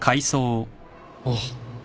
あっ